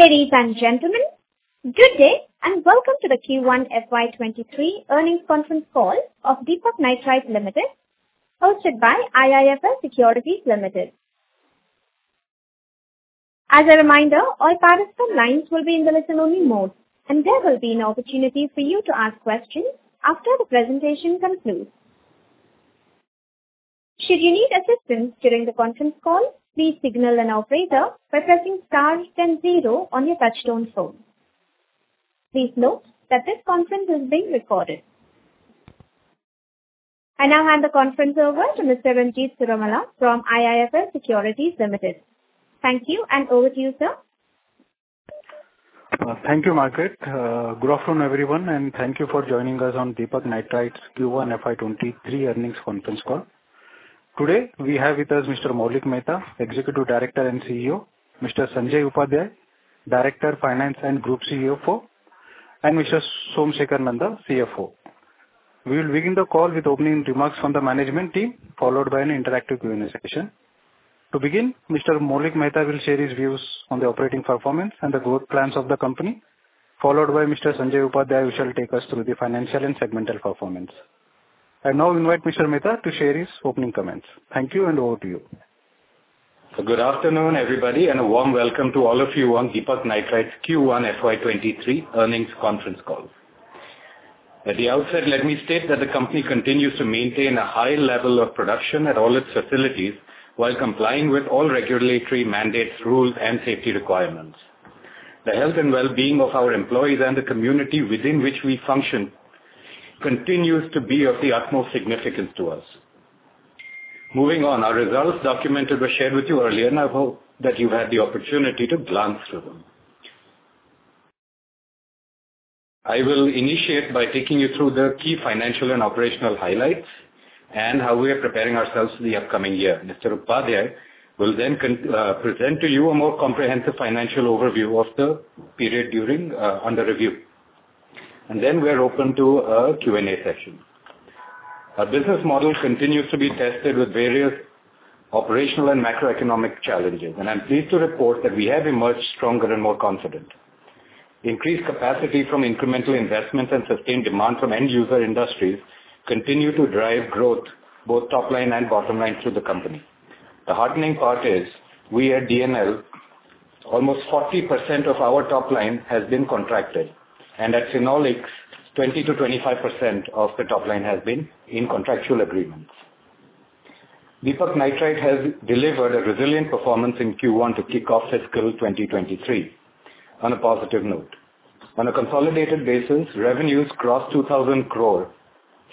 Ladies and gentlemen, good day, and welcome to the Q1 FY 2023 earnings conference call of Deepak Nitrite Limited, hosted by IIFL Securities Limited. As a reminder, all participant lines will be in the listen only mode, and there will be an opportunity for you to ask questions after the presentation concludes. Should you need assistance during the conference call, please signal an operator by pressing star then zero on your touchtone phone. Please note that this conference is being recorded. I now hand the conference over to Mr. Ranjit Cirumalla from IIFL Securities Limited. Thank you, and over to you, sir. Thank you, Margaret. Good afternoon, everyone, and thank you for joining us on Deepak Nitrite's Q1 FY 2023 earnings conference call. Today we have with us Mr. Maulik Mehta, Executive Director and CEO, Mr. Sanjay Upadhyay, Director of Finance and Group CFO, and Mr. Somsekhar Nanda, CFO. We will begin the call with opening remarks from the management team, followed by an interactive Q&A session. To begin, Mr. Maulik Mehta will share his views on the operating performance and the growth plans of the company, followed by Mr. Sanjay Upadhyay, who shall take us through the financial and segmental performance. I now invite Mr. Mehta to share his opening comments. Thank you, and over to you. Good afternoon, everybody, and a warm welcome to all of you on Deepak Nitrite's Q1 FY 2023 earnings conference call. At the outset, let me state that the company continues to maintain a high level of production at all its facilities while complying with all regulatory mandates, rules, and safety requirements. The health and well-being of our employees and the community within which we function continues to be of the utmost significance to us. Moving on, our results documented were shared with you earlier, and I hope that you've had the opportunity to glance through them. I will initiate by taking you through the key financial and operational highlights and how we are preparing ourselves for the upcoming year. Mr. Upadhyay will then present to you a more comprehensive financial overview of the period during under review. Then we're open to a Q&A session. Our business model continues to be tested with various operational and macroeconomic challenges, and I'm pleased to report that we have emerged stronger and more confident. Increased capacity from incremental investments and sustained demand from end user industries continue to drive growth, both top line and bottom line, through the company. The heartening part is we at DNL, almost 40% of our top line has been contracted, and at Phenolics, 20%-25% of the top line has been in contractual agreements. Deepak Nitrite has delivered a resilient performance in Q1 to kick off fiscal 2023 on a positive note. On a consolidated basis, revenues crossed 2,000 crore.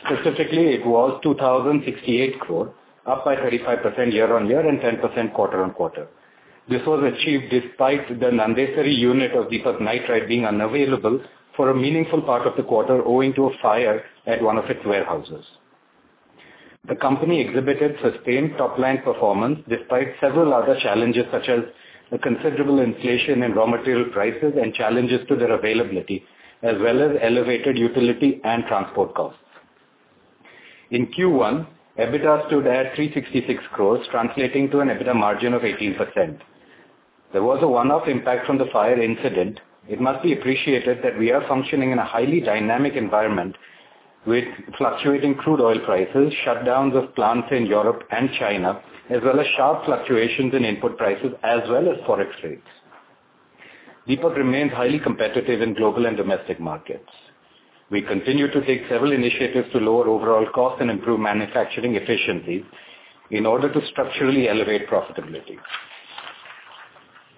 Specifically, it was 2,068 crore, up by 35% year-on-year and 10% quarter-on-quarter. This was achieved despite the Nandesari unit of Deepak Nitrite being unavailable for a meaningful part of the quarter owing to a fire at one of its warehouses. The company exhibited sustained top line performance despite several other challenges, such as the considerable inflation in raw material prices and challenges to their availability, as well as elevated utility and transport costs. In Q1, EBITDA stood at 366 crore, translating to an EBITDA margin of 18%. There was a one-off impact from the fire incident. It must be appreciated that we are functioning in a highly dynamic environment with fluctuating crude oil prices, shutdowns of plants in Europe and China, as well as sharp fluctuations in input prices as well as forex rates. Deepak remains highly competitive in global and domestic markets. We continue to take several initiatives to lower overall costs and improve manufacturing efficiency in order to structurally elevate profitability.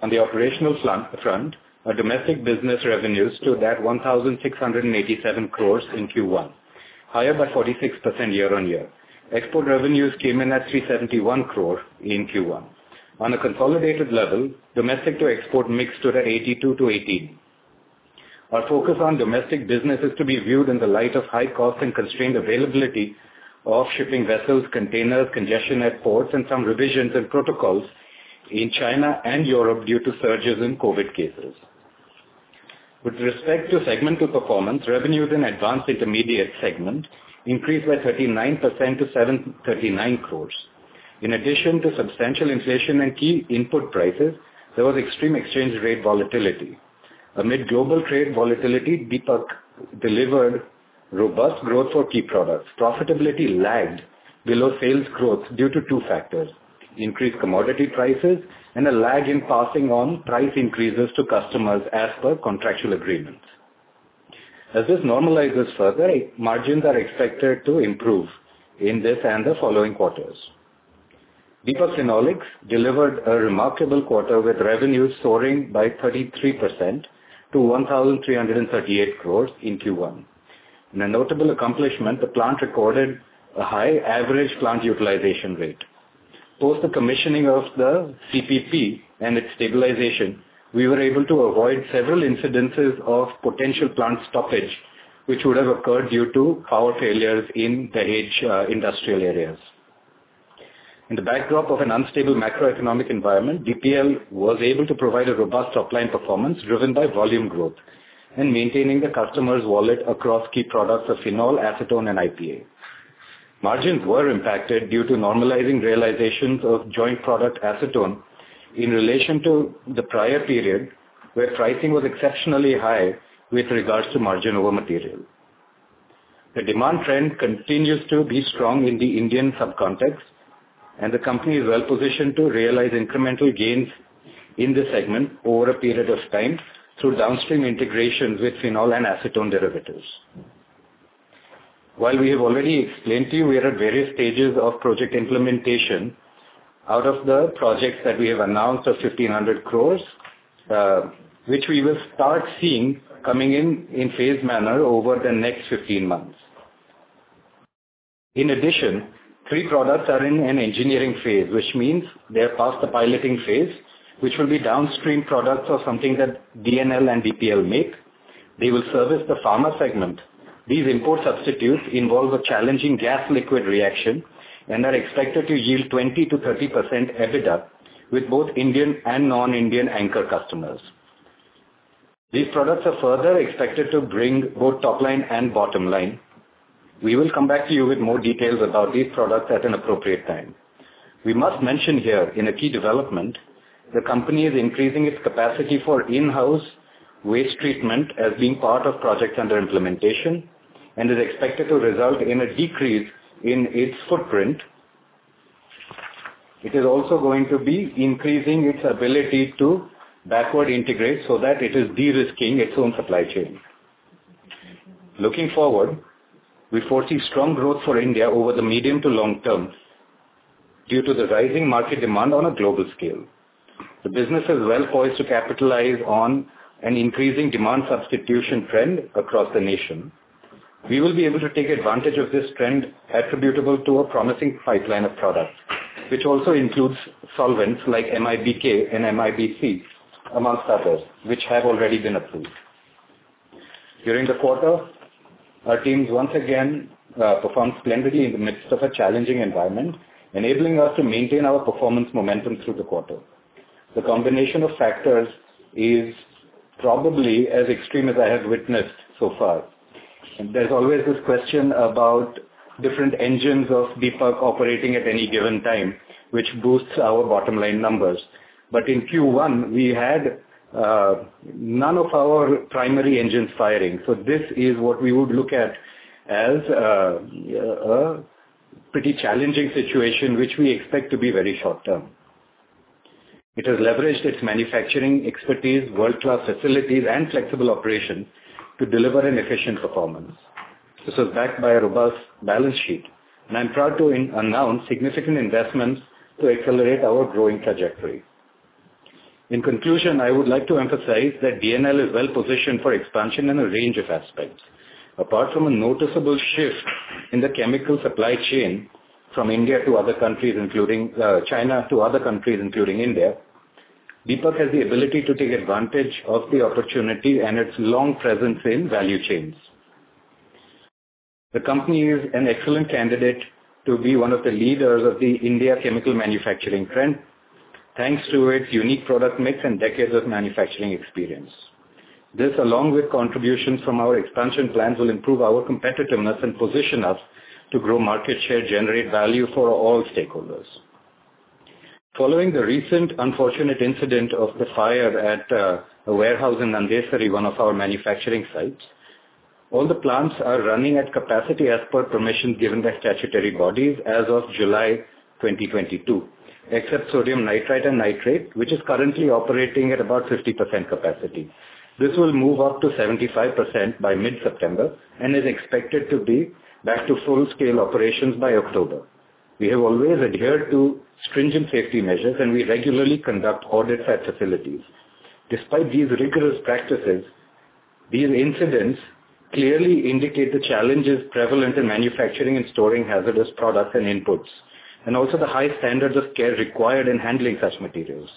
On the operational front, our domestic business revenues stood at 1,687 crore in Q1, higher by 46% year-on-year. Export revenues came in at 371 crore in Q1. On a consolidated level, domestic to export mix stood at 82-18. Our focus on domestic business is to be viewed in the light of high cost and constrained availability of shipping vessels, containers, congestion at ports, and some revisions in protocols in China and Europe due to surges in COVID cases. With respect to segmental performance, revenues in Advanced Intermediates segment increased by 39% to 739 crore. In addition to substantial inflation in key input prices, there was extreme exchange rate volatility. Amid global trade volatility, Deepak delivered robust growth for key products. Profitability lagged below sales growth due to two factors, increased commodity prices and a lag in passing on price increases to customers as per contractual agreements. As this normalizes further, margins are expected to improve in this and the following quarters. Deepak Phenolics delivered a remarkable quarter, with revenues soaring by 33% to 1,338 crore in Q1. In a notable accomplishment, the plant recorded a high average plant utilization rate. Post the commissioning of the CPP and its stabilization, we were able to avoid several incidences of potential plant stoppage which would have occurred due to power failures in the GIDC industrial areas. In the backdrop of an unstable macroeconomic environment, DPL was able to provide a robust top-line performance driven by volume growth and maintaining the customer's wallet across key products of Phenol, Acetone, and IPA. Margins were impacted due to normalizing realizations of joint product Acetone in relation to the prior period, where pricing was exceptionally high with regards to margin over material. The demand trend continues to be strong in the Indian subcontinent, and the company is well positioned to realize incremental gains in this segment over a period of time through downstream integration with Phenol and Acetone derivatives. While we have already explained to you, we are at various stages of project implementation. Out of the projects that we have announced of 1,500 crores, which we will start seeing coming in in phased manner over the next 15-months. In addition, three products are in an engineering phase, which means they are past the piloting phase, which will be downstream products or something that Deepak Nitrite Limited and Deepak Phenolics Limited make. They will service the pharma segment. These import substitutes involve a challenging gas-liquid reaction and are expected to yield 20%-30% EBITDA with both Indian and non-Indian anchor customers. These products are further expected to bring both top line and bottom line. We will come back to you with more details about these products at an appropriate time. We must mention here in a key development, the company is increasing its capacity for in-house waste treatment as being part of projects under implementation and is expected to result in a decrease in its footprint. It is also going to be increasing its ability to backward integrate so that it is de-risking its own supply chain. Looking forward, we foresee strong growth for India over the medium to long term due to the rising market demand on a global scale. The business is well poised to capitalize on an increasing demand substitution trend across the nation. We will be able to take advantage of this trend attributable to a promising pipeline of products, which also includes solvents like MIBK and MIBC, amongst others, which have already been approved. During the quarter, our teams once again performed splendidly in the midst of a challenging environment, enabling us to maintain our performance momentum through the quarter. The combination of factors is probably as extreme as I have witnessed so far. There's always this question about different engines of Deepak operating at any given time, which boosts our bottom-line numbers. In Q1, we had none of our primary engines firing. This is what we would look at as a pretty challenging situation, which we expect to be very short-term. It has leveraged its manufacturing expertise, world-class facilities and flexible operation to deliver an efficient performance. This is backed by a robust balance sheet, and I'm proud to announce significant investments to accelerate our growing trajectory. In conclusion, I would like to emphasize that DNL is well positioned for expansion in a range of aspects. Apart from a noticeable shift in the chemical supply chain from China to other countries, including India, Deepak has the ability to take advantage of the opportunity and its long presence in value chains. The company is an excellent candidate to be one of the leaders of the Indian chemical manufacturing trend, thanks to its unique product mix and decades of manufacturing experience. This, along with contributions from our expansion plans, will improve our competitiveness and position us to grow market share, generate value for all stakeholders. Following the recent unfortunate incident of the fire at a warehouse in Nandesari, one of our manufacturing sites, all the plants are running at capacity as per permission given by statutory bodies as of July 2022, except Sodium Nitrite and Sodium Nitrate, which is currently operating at about 50% capacity. This will move up to 75% by mid-September and is expected to be back to full-scale operations by October. We have always adhered to stringent safety measures, and we regularly conduct audits at facilities. Despite these rigorous practices, these incidents clearly indicate the challenges prevalent in manufacturing and storing hazardous products and inputs, and also the high standards of care required in handling such materials.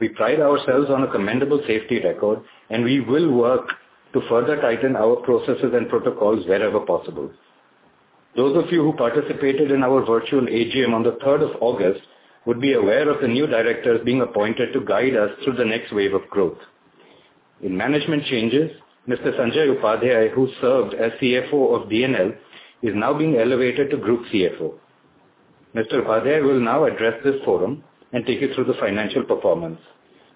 We pride ourselves on a commendable safety record, and we will work to further tighten our processes and protocols wherever possible. Those of you who participated in our virtual AGM on the third of August would be aware of the new directors being appointed to guide us through the next wave of growth. In management changes, Mr. Sanjay Upadhyay, who served as CFO of DNL, is now being elevated to Group CFO. Mr. Upadhyay will now address this forum and take you through the financial performance.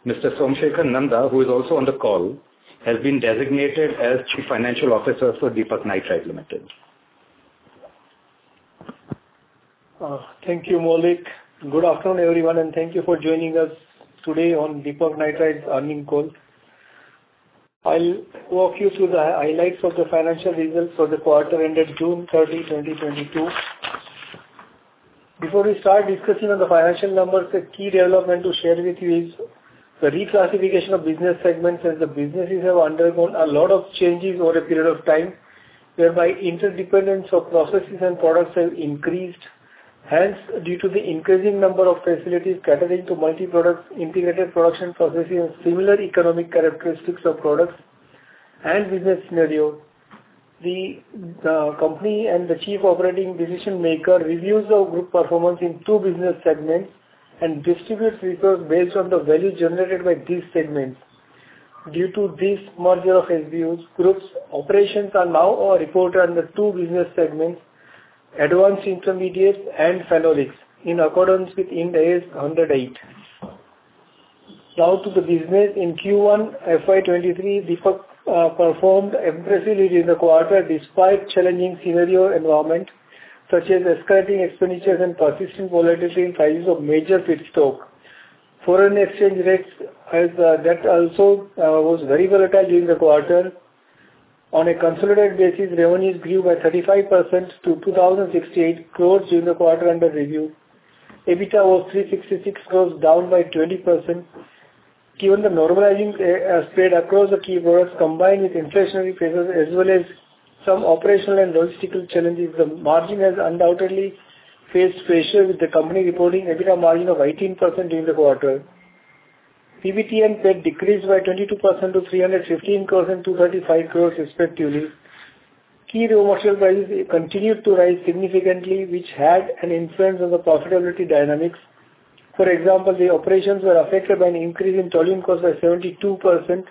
Mr. Somsekhar Nanda, who is also on the call, has been designated as Chief Financial Officer for Deepak Nitrite Limited. Thank you, Maulik. Good afternoon, everyone, and thank you for joining us today on Deepak Nitrite's earnings call. I'll walk you through the highlights of the financial results for the quarter ended June 30, 2022. Before we start discussing on the financial numbers, a key development to share with you is the reclassification of business segments as the businesses have undergone a lot of changes over a period of time, whereby interdependence of processes and products have increased. Hence, due to the increasing number of facilities catering to multiproducts, integrated production processes, similar economic characteristics of products and business scenario, the company and the chief operating decision maker reviews our group performance in two business segments and distributes resource based on the value generated by these segments. Due to this merger of SBUs, group's operations are now reported under two business segments, Advanced Intermediates and Phenolics, in accordance with Ind AS 108. Now to the business. In Q1 FY 2023, Deepak performed impressively during the quarter despite challenging scenario environment, such as escalating expenditures and persistent volatility in prices of major feedstock. Foreign exchange rates that also was very volatile during the quarter. On a consolidated basis, revenue grew by 35% to 2,068 crores during the quarter under review. EBITDA was 366 crores, down by 20%. Given the normalizing spread across the key products, combined with inflationary pressures as well as some operational and logistical challenges, the margin has undoubtedly faced pressure, with the company reporting EBITDA margin of 18% during the quarter. PBT and PAT decreased by 22% to 315 crores and 235 crores respectively. Key raw material prices continued to rise significantly, which had an influence on the profitability dynamics. For example, the operations were affected by an increase in chlorine costs by 72%,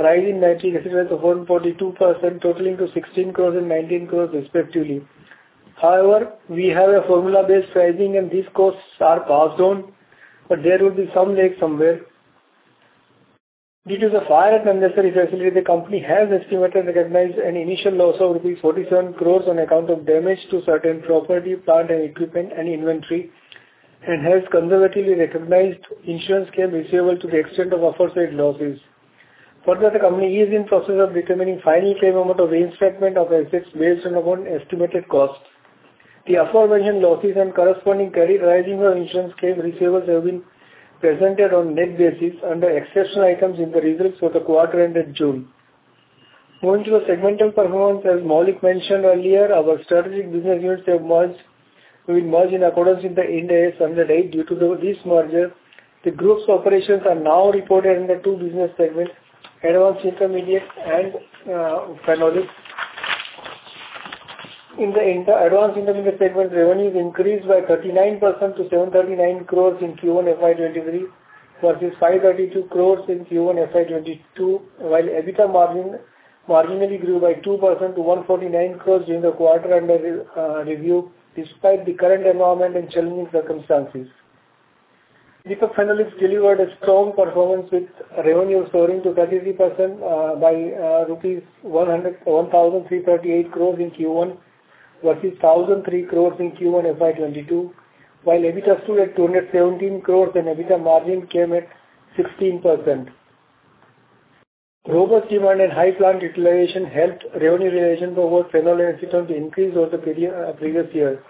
rise in nitric acid costs of 142%, totaling to 16 crores and 19 crores respectively. However, we have a formula-based pricing, and these costs are passed on, but there will be some lag somewhere. Due to the fire at Nandesari facility, the company has estimated and recognized an initial loss of rupees 47 crore on account of damage to certain property, plant and equipment and inventory, and has conservatively recognized insurance claim receivable to the extent of aforesaid losses. Further, the company is in process of determining final claim amount of reinstatement of assets based upon estimated costs. The aforementioned losses and corresponding carrying of insurance claim receivables have been presented on net basis under exceptional items in the results for the quarter ended June. Moving to the segmental performance, as Maulik mentioned earlier, our strategic business units have merged in accordance with the Ind AS 108. Due to this merger, the group's operations are now reported under two business segments, Advanced Intermediates and Phenolics. In the Advanced Intermediates segment, revenues increased by 39% to 739 crores in Q1 FY 2023 versus 532 crores in Q1 FY 2022, while EBITDA marginally grew by 2% to 149 crores during the quarter under review, despite the current environment and challenging circumstances. Deepak Phenolics delivered a strong performance with revenue soaring by 33% to rupees 1,338 crores in Q1 versus 3 crores in Q1 FY 2022, while EBITDA stood at 217 crores and EBITDA margin came at 16%. Robust demand and high plant utilization helped revenue realization for both Phenolics segments increase over the previous year.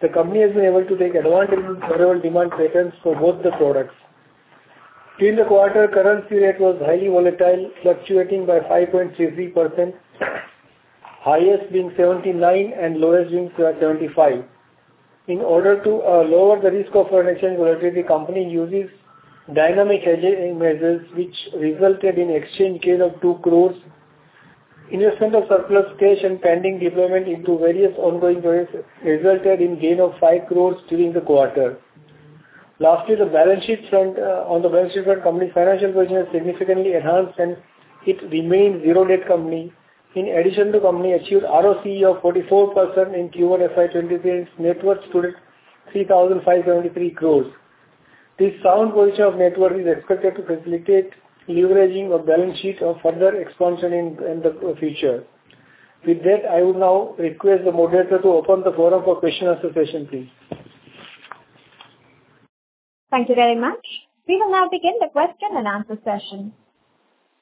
The company has been able to take advantage of favorable demand patterns for both the products. During the quarter, currency rate was highly volatile, fluctuating by 5.33%, highest being 79 and lowest being 75. In order to lower the risk of foreign exchange volatility, company uses dynamic hedging measures, which resulted in exchange gain of 2 crore. Investment of surplus cash and pending deployment into various ongoing projects resulted in gain of 5 crore during the quarter. Lastly, on the balance sheet front, company's financial position has significantly enhanced, and it remains zero-debt company. In addition, the company achieved ROCE of 44% in Q1 FY 2023, and its net worth stood at 3,573 crore. This sound position of net worth is expected to facilitate leveraging of balance sheet for further expansion in the future. With that, I would now request the moderator to open the floor up for question and discussion please. Thank you very much. We will now begin the question and answer session.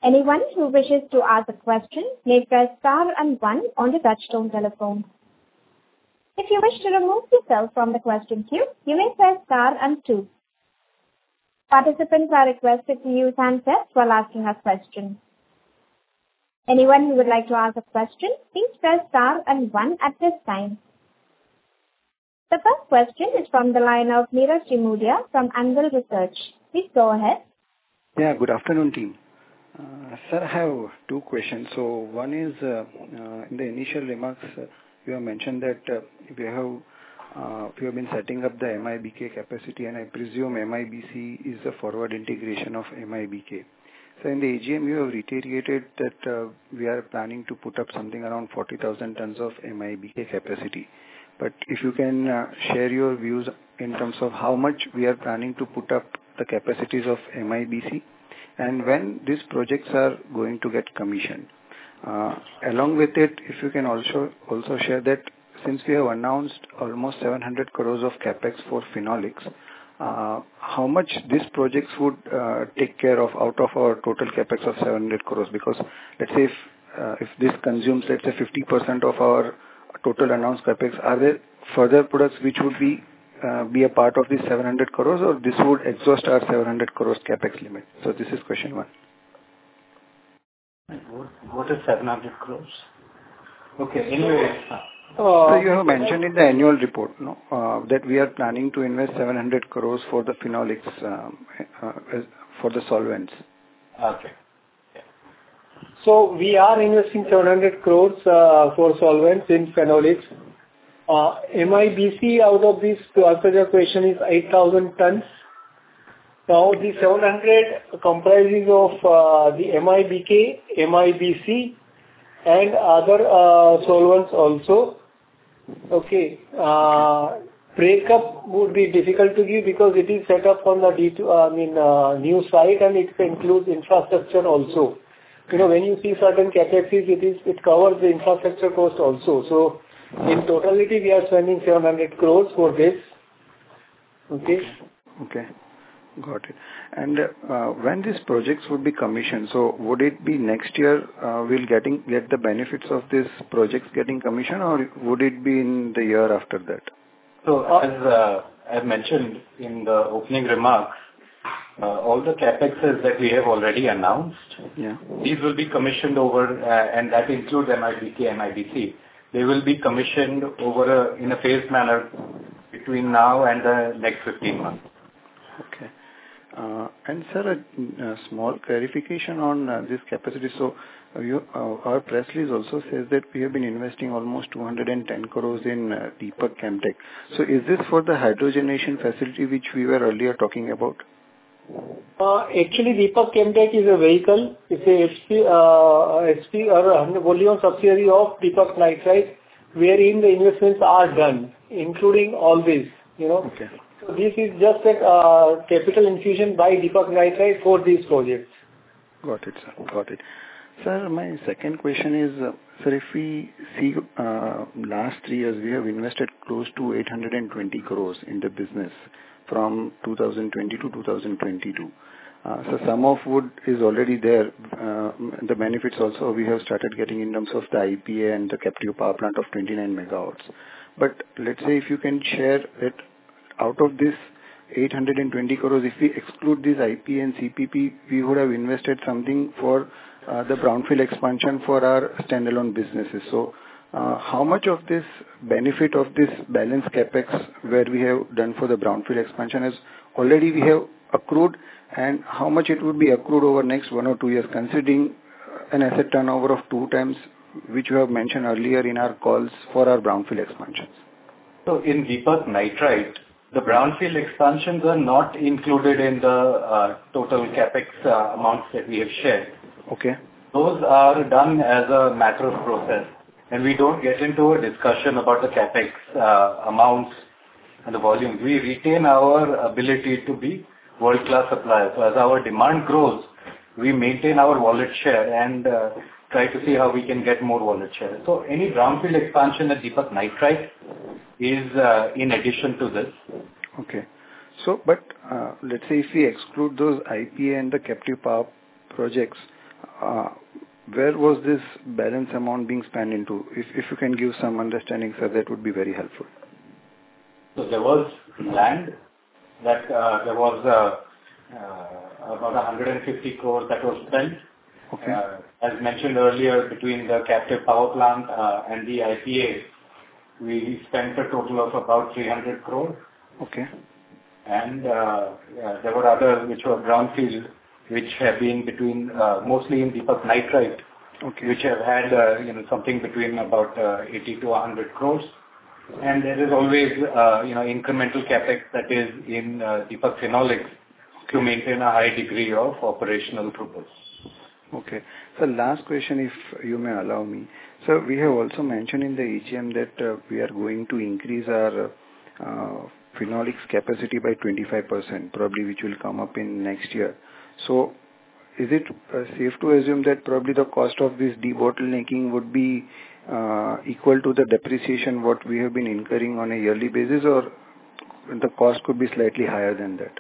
Anyone who wishes to ask a question may press star and one on the touchtone telephone. If you wish to remove yourself from the question queue, you may press star and two. Participants are requested to use handset while asking a question. Anyone who would like to ask a question, please press star and one at this time. The first question is from the line of Nirav Jimudia from Anvil Research. Please go ahead. Yeah, good afternoon, team. Sir, I have two questions. One is, in the initial remarks you have mentioned that you have been setting up the MIBK capacity, and I presume MIBC is a forward integration of MIBK. In the AGM, you have reiterated that we are planning to put up something around 40,000 tons of MIBK capacity. If you can share your views in terms of how much we are planning to put up the capacities of MIBC, and when these projects are going to get commissioned. Along with it, if you can also share that since we have announced almost 700 crores of CapEx for Phenolics, how much these projects would take care of out of our total CapEx of 700 crores. Because let's say if this consumes let's say 50% of our total announced CapEx, are there further products which would be a part of the 700 crores or this would exhaust our 700 crores CapEx limit? This is question one. What is 700 crore? Okay. You have mentioned in the annual report that we are planning to invest 700 crores for the Phenolics, for the solvents. Okay. Yeah. We are investing 700 crore for solvents in Phenolics. MIBC out of this, to answer your question, is 8,000 tons. Now the 700 crore comprising of the MIBK, MIBC and other solvents also. Okay. Breakup would be difficult to give because it is set up on the new site, and it includes infrastructure also. You know, when you see certain CapEx, it covers the infrastructure cost also. In totality, we are spending 700 crore for this. Okay. Okay. Got it. When these projects would be commissioned, so would it be next year, get the benefits of these projects getting commissioned, or would it be in the year after that? As I've mentioned in the opening remarks, all the CapExes that we have already announced. Yeah. These will be commissioned, and that includes MIBK, MIBC. They will be commissioned in a phased manner between now and the next 15-months. Okay. Sir, a small clarification on this capacity. You, our press release also says that we have been investing almost 210 crores in Deepak Chem Tech. Is this for the hydrogenation facility which we were earlier talking about? Actually, Deepak Chem Tech is a vehicle. It's a holding company or a 100% subsidiary of Deepak Nitrite wherein the investments are done, including all these, you know. Okay. This is just a capital infusion by Deepak Nitrite for these projects. Got it, sir. Sir, my second question is, sir, if we see last three years, we have invested close to 820 crores in the business from 2020-2022. So some of what is already there, the benefits also we have started getting in terms of the IPA and the captive power plant of 29 MW. Let's say if you can share that out of this 820 crores, if we exclude this IPA and CPP, we would have invested something for the brownfield expansion for our standalone businesses. How much of this benefit of this balanced CapEx where we have done for the brownfield expansion is already we have accrued, and how much it would be accrued over next one or two years, considering an asset turnover of 2x, which you have mentioned earlier in our calls for our brownfield expansions? In Deepak Nitrite, the brownfield expansions are not included in the total CapEx amounts that we have shared. Okay. Those are done as a natural process, and we don't get into a discussion about the CapEx, amounts and the volumes. We retain our ability to be world-class suppliers. As our demand grows, we maintain our wallet share and, try to see how we can get more wallet share. Any brownfield expansion at Deepak Nitrite is in addition to this. Let's say if we exclude those IPA and the captive power projects, where was this balance amount being spent on? If you can give some understanding, sir, that would be very helpful. There was land that about 150 crore that was spent. Okay. As mentioned earlier, between the captive power plant and the IPAs, we spent a total of about 300 crore. Okay. Yeah, there were others which were brownfield, which have been between, mostly in Deepak Nitrite. Okay. Which have had, you know, something between about 80 crores-100 crores. There is always, you know, incremental CapEx that is in Deepak Phenolics to maintain a high degree of operational purpose. Okay. Last question, if you may allow me. We have also mentioned in the AGM that we are going to increase our Phenolics capacity by 25%, probably which will come up in next year. Is it safe to assume that probably the cost of this debottlenecking would be equal to the depreciation what we have been incurring on a yearly basis, or the cost could be slightly higher than that?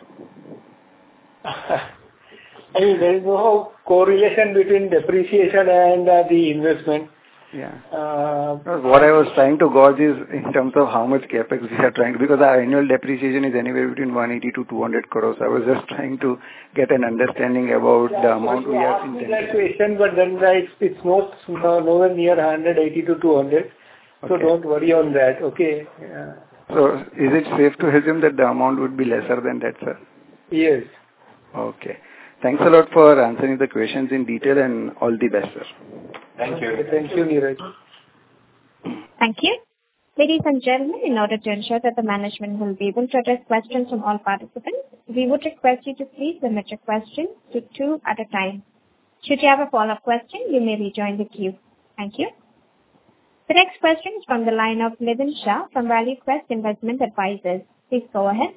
I mean, there is no correlation between depreciation and the investment. Yeah. Uh-. What I was trying to gauge is in terms of how much CapEx you are trying to. Because our annual depreciation is anywhere between 180 crore-200 crore. I was just trying to get an understanding about the amount we have intended. Yeah. You asked me that question, but then it's not nowhere near 180 crore-200 crore. Okay. Don't worry on that. Okay? Yeah. Is it safe to assume that the amount would be lesser than that, sir? Yes. Okay. Thanks a lot for answering the questions in detail, and all the best, sir. Thank you. Thank you, Neeraj. Thank you. Ladies and gentlemen, in order to ensure that the management will be able to address questions from all participants, we would request you to please limit your question to two at a time. Should you have a follow-up question, you may rejoin the queue. Thank you. The next question is from the line of Nitin Shah from ValueQuest Investment Advisors. Please go ahead.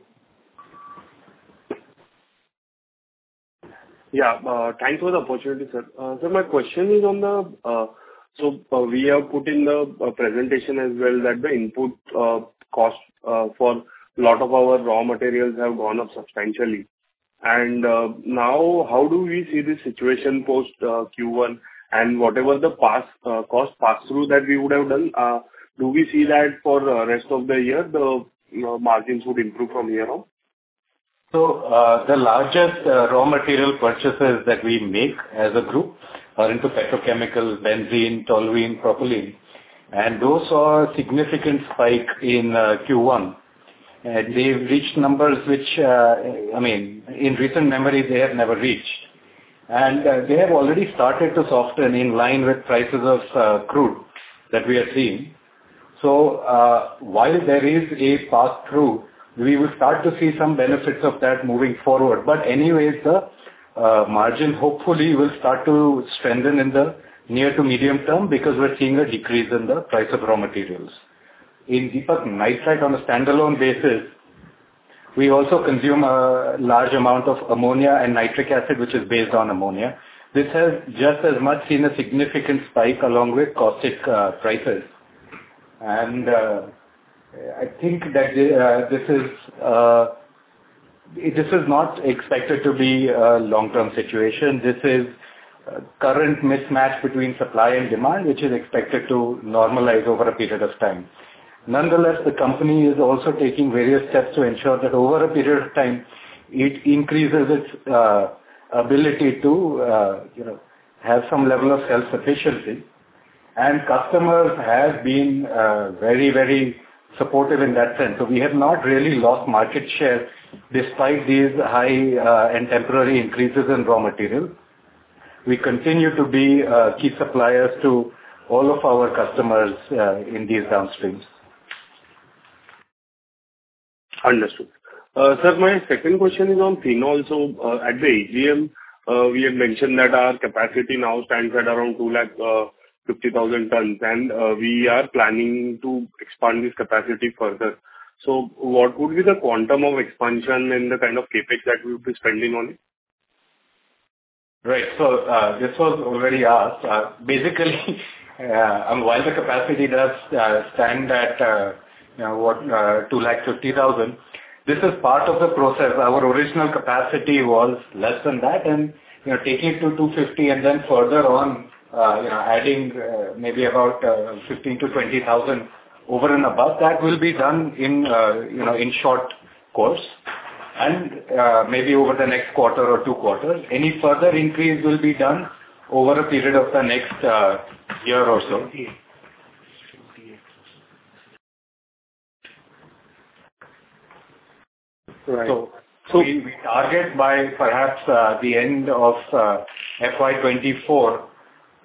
Yeah. Thanks for the opportunity, sir. So my question is, we have put in the presentation as well that the input cost for lot of our raw materials have gone up substantially. Now how do we see the situation post Q1 and whatever the past cost pass-through that we would have done, do we see that for the rest of the year, the, you know, margins would improve from here on? The largest raw material purchases that we make as a group are into petrochemical, Benzene, Toluene, Propylene, and those saw a significant spike in Q1. They've reached numbers which, I mean, in recent memory they have never reached. They have already started to soften in line with prices of crude that we are seeing. While there is a pass-through, we will start to see some benefits of that moving forward. Anyways, the margin hopefully will start to strengthen in the near to medium term because we're seeing a decrease in the price of raw materials. In Deepak Nitrite on a standalone basis, we also consume a large amount of Ammonia and Nitric Acid, which is based on Ammonia. This has just as much seen a significant spike along with caustic prices. I think that this is not expected to be a long-term situation. This is current mismatch between supply and demand, which is expected to normalize over a period of time. Nonetheless, the company is also taking various steps to ensure that over a period of time, it increases its ability to you know have some level of self-sufficiency. Customers have been very, very supportive in that sense. We have not really lost market share despite these high and temporary increases in raw material. We continue to be key suppliers to all of our customers in these downstream. Understood. Sir, my second question is on Phenol. At the AGM, we had mentioned that our capacity now stands at around 250,000 tons, and we are planning to expand this capacity further. What would be the quantum of expansion and the kind of CapEx that we would be spending on it? Right. This was already asked. Basically, while the capacity does stand at, you know, what, 250,000, this is part of the process. Our original capacity was less than that and, you know, taking it to 250 and then further on, you know, adding maybe about 15,000-20,000 over and above that will be done in, you know, in short course and maybe over the next quarter or two quarters. Any further increase will be done over a period of the next year or so. Right. We target by perhaps the end of FY 2024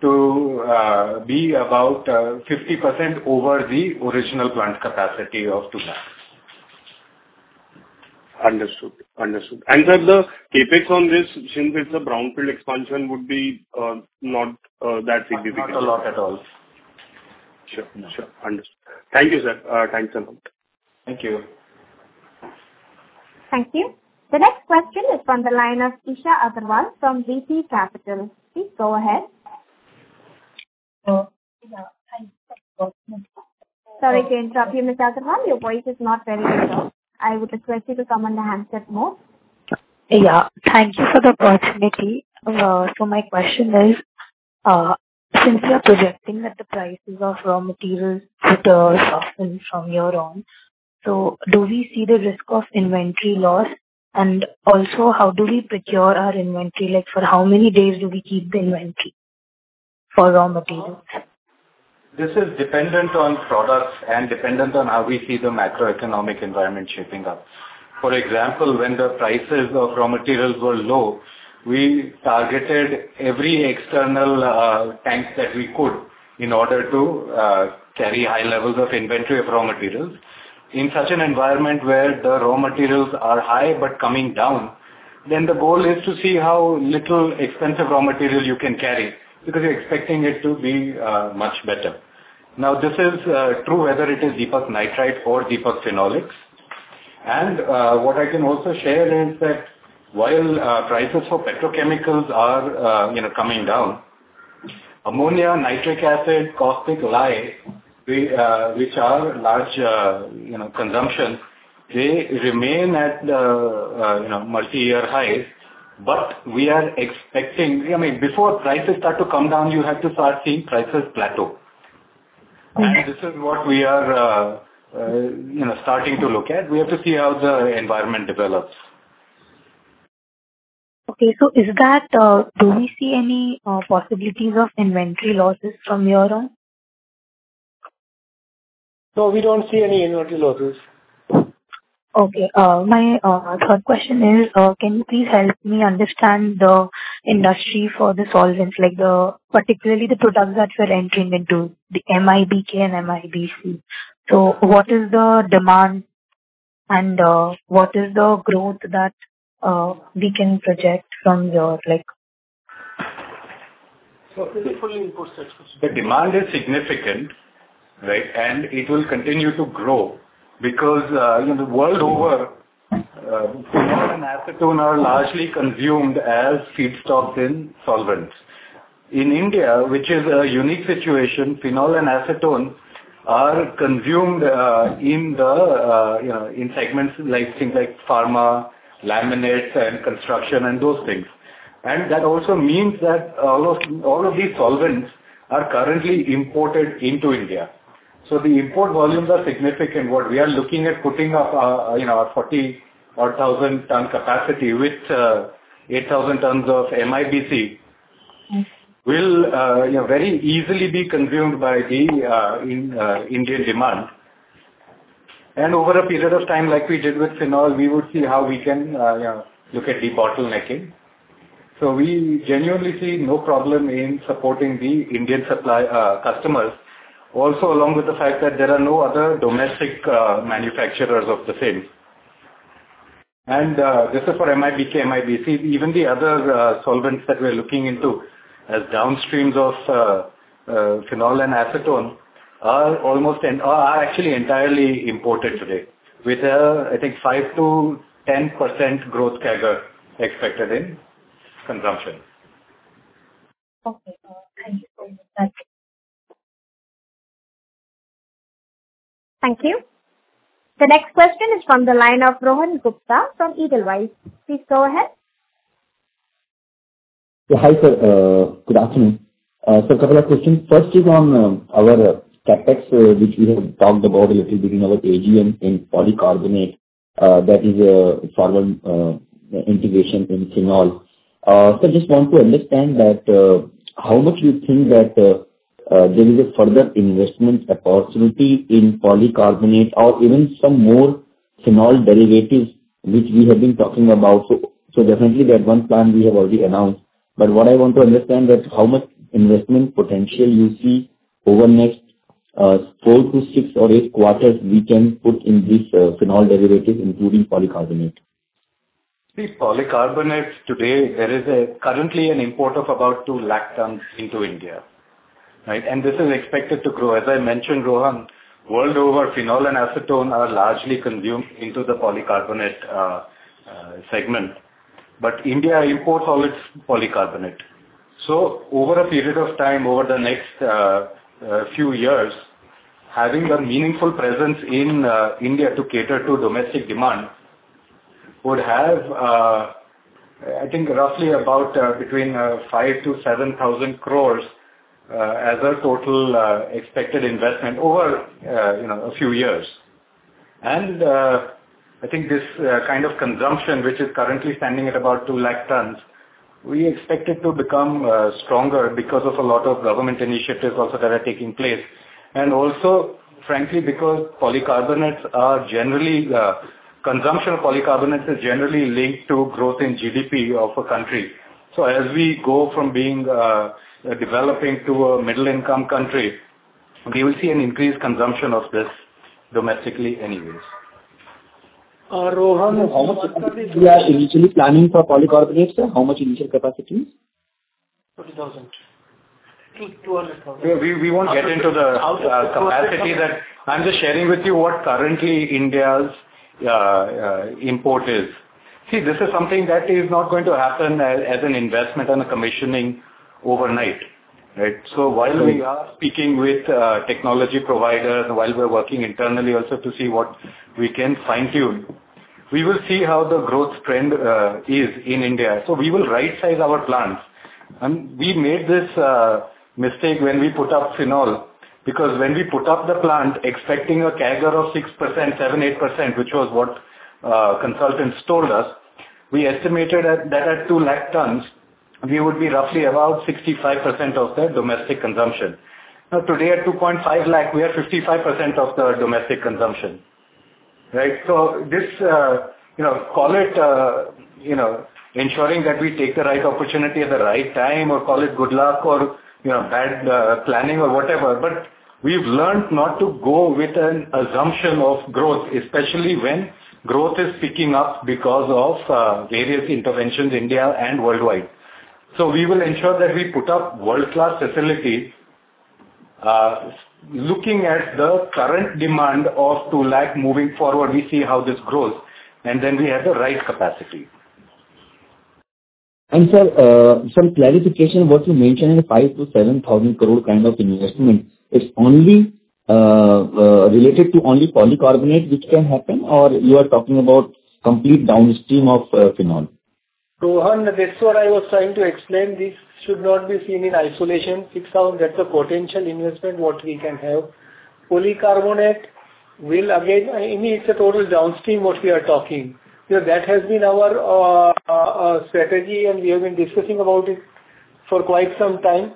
to be about 50% over the original plant capacity of 2 lakh. Understood. Sir, the CapEx on this, since it's a brownfield expansion, would be not that significant. Not a lot at all. Sure. Understood. Thank you, sir. Thanks a lot. Thank you. Thank you. The next question is from the line of Isha Agarwal from VT Capital. Please go ahead. Yeah. Thank you. Sorry to interrupt you, Ms. Agarwal. Your voice is not very clear. I would request you to come on the handset mode. Yeah. Thank you for the opportunity. My question is, since you are projecting that the prices of raw materials would soften from here on, so do we see the risk of inventory loss? Also, how do we procure our inventory? Like, for how many days do we keep the inventory for raw materials? This is dependent on products and dependent on how we see the macroeconomic environment shaping up. For example, when the prices of raw materials were low, we targeted every external tank that we could in order to carry high levels of inventory of raw materials. In such an environment where the raw materials are high but coming down, then the goal is to see how little expensive raw material you can carry, because you're expecting it to be much better. Now, this is true whether it is Deepak Nitrite or Deepak Phenolics. What I can also share is that while prices for petrochemicals are, you know, coming down, Ammonia, Nitric Acid, Caustic Lye, we, which are large, you know, consumption, they remain at, you know, multi-year highs. We are expecting... I mean, before prices start to come down, you have to start seeing prices plateau. Okay. This is what we are, you know, starting to look at. We have to see how the environment develops. Okay. Do we see any possibilities of inventory losses from here on? No, we don't see any inventory losses. Okay. My third question is, can you please help me understand the industry for the solvents, like the, particularly the products that you're entering into, the MIBK and MIBC. So what is the demand and, what is the growth that, we can project from your, like-. Could you please repeat that question? The demand is significant, right? It will continue to grow because, you know, world over, Phenol and Acetone are largely consumed as feedstocks in solvents. In India, which is a unique situation, Phenol and Acetone are consumed in the, you know, in segments like things like pharma, laminates and construction and those things. That also means that all of these solvents are currently imported into India. The import volumes are significant. What we are looking at putting up, you know, a 40-odd thousand ton capacity with, eight thousand tons of MIBC will, you know, very easily be consumed by the, in, Indian demand. Over a period of time, like we did with Phenol, we would see how we can, look at debottlenecking. We genuinely see no problem in supporting the Indian supply, customers. Also, along with the fact that there are no other domestic manufacturers of the same. This is for MIBK, MIBC, even the other solvents that we are looking into as downstreams of Phenol and Acetone are actually entirely imported today with, I think, 5%-10% growth CAGR expected in consumption. Okay. Thank you so much. Thank you. Thank you. The next question is from the line of Rohan Gupta from Edelweiss. Please go ahead. Hi, sir. Good afternoon. A couple of questions. First is on our CapEx, which we have talked about a little bit in our AGM in polycarbonate, that is a forward integration in Phenol. I just want to understand that there is a further investment opportunity in polycarbonate or even some more Phenol derivatives which we have been talking about. Definitely that one plan we have already announced. But what I want to understand that how much investment potential you see over next four to six or eight quarters we can put in this Phenol derivative, including polycarbonate. See, polycarbonate today there is currently an import of about 200,000 tons into India, right? This is expected to grow. As I mentioned, Rohan, world over Phenol and Acetone are largely consumed into the polycarbonate segment. India imports all its polycarbonate. Over a period of time, over the next few years, having a meaningful presence in India to cater to domestic demand would have, I think roughly about between 5,000-7,000 crores as a total expected investment over you know a few years. I think this kind of consumption, which is currently standing at about 200,000 tons, we expect it to become stronger because of a lot of government initiatives also that are taking place. Frankly, because polycarbonates are generally consumption of polycarbonates is generally linked to growth in GDP of a country. As we go from being a developing to a middle-income country, we will see an increased consumption of this domestically anyways. Rohan. How much capacity we are initially planning for Polycarbonate, sir? How much initial capacity? 30,000. Two, 200,000. We won't get into the capacity that. I'm just sharing with you what currently India's import is. See, this is something that is not going to happen as an investment on a commissioning overnight, right? While we are speaking with technology providers, while we're working internally also to see what we can fine-tune, we will see how the growth trend is in India. We will right-size our plans. We made this mistake when we put up Phenol, because when we put up the plant expecting a CAGR of 6%-8%, which was what consultants told us, we estimated that at 200,000 tons, we would be roughly about 65% of the domestic consumption. Now, today at 250,000, we are 55% of the domestic consumption, right? This, you know, call it, you know, ensuring that we take the right opportunity at the right time, or call it good luck or, you know, bad, planning or whatever, but we've learnt not to go with an assumption of growth, especially when growth is picking up because of various interventions, India and worldwide. We will ensure that we put up world-class facility, looking at the current demand of 2 lakh. Moving forward, we see how this grows, and then we have the right capacity. Sir, some clarification. What you mentioned, 5,000-7,000 crore kind of investment, it's only related to only polycarbonate which can happen, or you are talking about complete downstream of Phenol? Rohan, that's what I was trying to explain. This should not be seen in isolation. INR 6,000, that's a potential investment what we can have. Polycarbonate will again. I mean, it's a total downstream what we are talking. Because that has been our strategy, and we have been discussing about it for quite some time.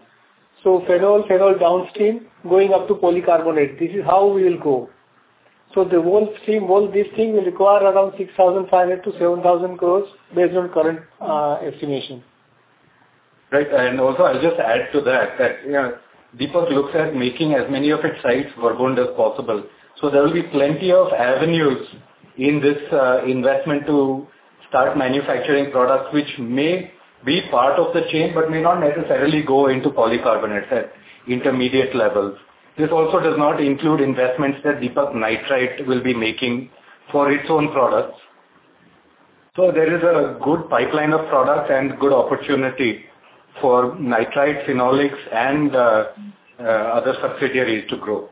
Phenol downstream going up to polycarbonate, this is how we will go. The whole stream, this thing will require around 6,500-7,000 crores based on current estimation. Right. Also I'll just add to that you know, Deepak looks at making as many of its sites vertical as possible. There will be plenty of avenues in this investment to start manufacturing products which may be part of the chain but may not necessarily go into polycarbonate at intermediate levels. This also does not include investments that Deepak Nitrite will be making for its own products. There is a good pipeline of products and good opportunity for Nitrite, Phenolics and other subsidiaries to grow.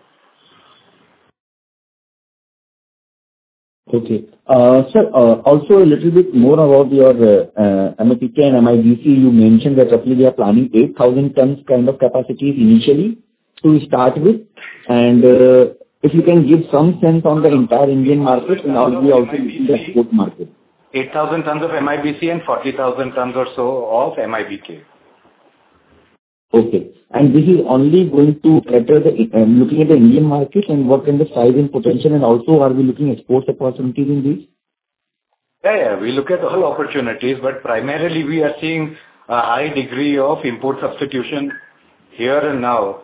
Okay. Sir, also a little bit more about your MIBK and MIBC. You mentioned that roughly we are planning 8,000 tons kind of capacities initially to start with. If you can give some sense on the entire Indian market and how we also see the export market. 8,000 tons of MIBC and 40,000 tons or so of MIBK. Okay. This is only going to cater to the Indian market and what is the sizing potential and also are we looking at export opportunities in this? Yeah, we look at all opportunities, but primarily we are seeing a high degree of import substitution here and now.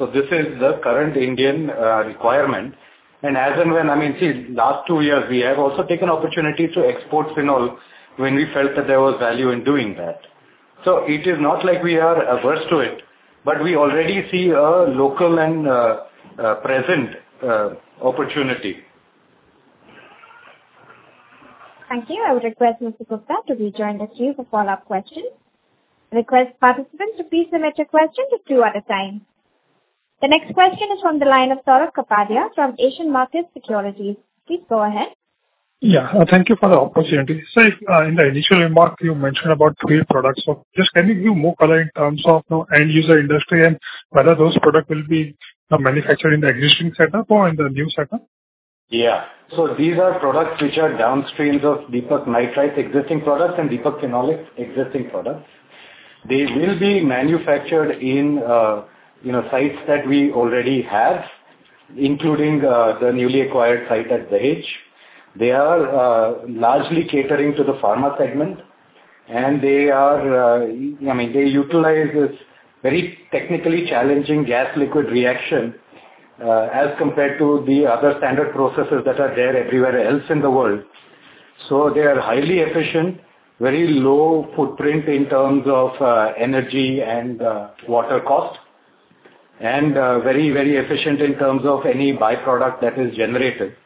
This is the current Indian requirement. As and when, I mean, see, last two years we have also taken opportunity to export Phenol when we felt that there was value in doing that. It is not like we are averse to it, but we already see a local and present opportunity. Thank you. I would request Mr. Gupta to rejoin the queue for follow-up questions. Request participants to please submit your questions two at a time. The next question is from the line of Saurabh Kapadia from Asian Markets Securities. Please go ahead. Yeah. Thank you for the opportunity. If in the initial remark you mentioned about three products. Just can you give more color in terms of, you know, end user industry and whether those products will be manufactured in the existing setup or in the new setup? Yeah. These are products which are downstreams of Deepak Nitrite existing products and Deepak Phenolics existing products. They will be manufactured in sites that we already have, including the newly acquired site at Vihigaon. They are largely catering to the pharma segment, and they are, I mean, they utilize this very technically challenging gas liquid reaction as compared to the other standard processes that are there everywhere else in the world. They are highly efficient, very low footprint in terms of energy and water cost, and very, very efficient in terms of any by-product that is generated.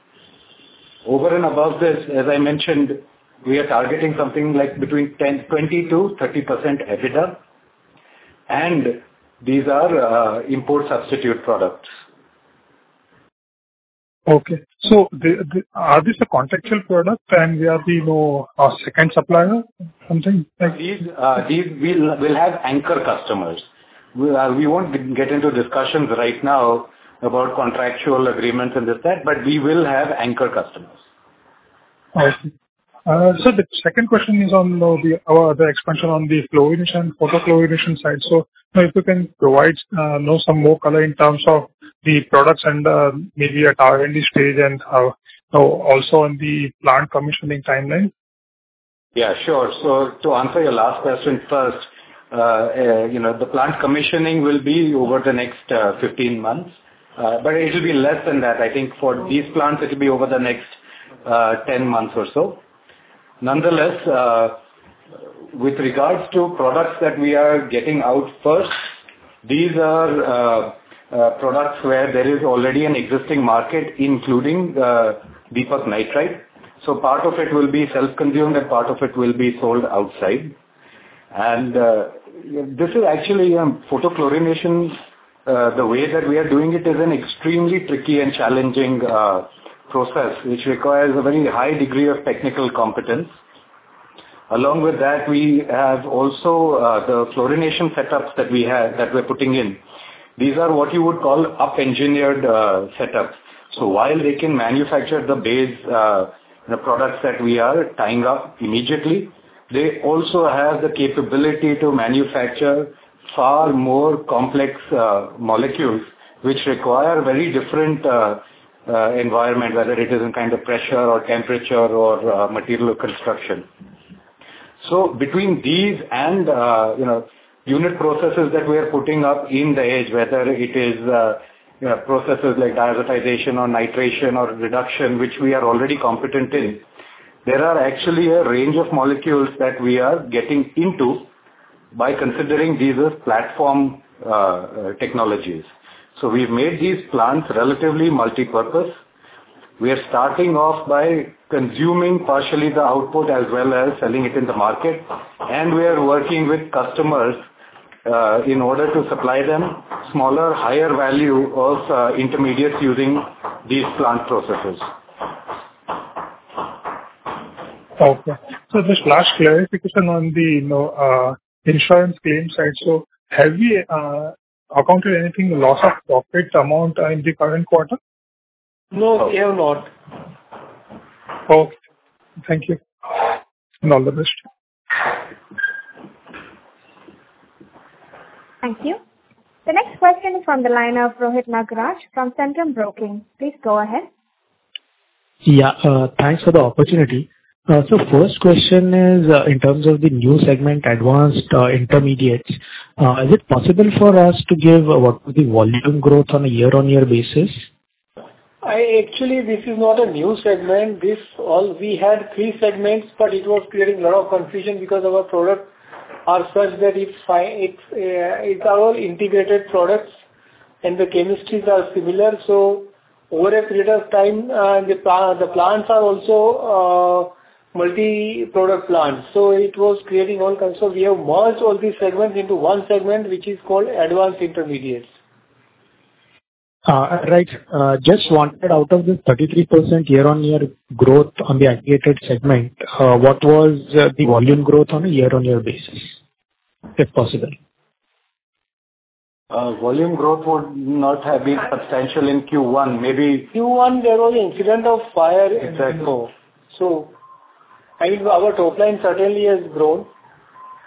Over and above this, as I mentioned, we are targeting something like between 10%-20%-30% EBITDA, and these are import substitute products. Okay. Are these the contractual products and we are the second supplier or something? These will have anchor customers. We won't get into discussions right now about contractual agreements and this that, but we will have anchor customers. All right. The second question is on the expansion on the chlorination, photochlorination side. You know, if you can provide you know, some more color in terms of the products and maybe the industry and you know, also on the plant commissioning timeline. Yeah, sure. To answer your last question first, you know, the plant commissioning will be over the next 15-months. It'll be less than that. I think for these plants it'll be over the next 10-months or so. Nonetheless, with regards to products that we are getting out first, these are products where there is already an existing market, including Deepak Nitrite. So part of it will be self-consumed and part of it will be sold outside. This is actually photochlorination. The way that we are doing it is an extremely tricky and challenging process, which requires a very high degree of technical competence. Along with that, we have also the chlorination setups that we have that we're putting in. These are what you would call up-engineered setups. While they can manufacture the base, the products that we are tying up immediately, they also have the capability to manufacture far more complex molecules which require very different environment, whether it is in kind of pressure or temperature or material construction. Between these and, you know, unit processes that we are putting up in Dahej, whether it is, you know, processes like diazotization or nitration or reduction, which we are already competent in, there are actually a range of molecules that we are getting into by considering these as platform technologies. We've made these plants relatively multipurpose. We are starting off by consuming partially the output as well as selling it in the market. We are working with customers in order to supply them smaller, higher value of intermediates using these plant processes. Okay. Just last clarification on the, you know, insurance claim side. Have we accounted for any loss of profits amount in the current quarter? No, we have not. Okay. Thank you. All the best. Thank you. The next question is from the line of Rohit Nagraj from Centrum Broking. Please go ahead. Yeah. Thanks for the opportunity. First question is, in terms of the new segment, Advanced Intermediates, is it possible for us to give what would be volume growth on a year-on-year basis? Actually, this is not a new segment. All this, we had three segments, but it was creating a lot of confusion because our products are such that it's our integrated products and the chemistries are similar. Over a period of time, the plants are also multi-product plants. It was creating all kinds. We have merged all these segments into one segment, which is called Advanced Intermediates. Just wanted, out of the 33% year-on-year growth on the Advanced Intermediates segment, what was the volume growth on a year-on-year basis, if possible? Volume growth would not have been substantial in Q1. Maybe-. Q1, there was an incident of fire. Exactly. I mean, our top line certainly has grown.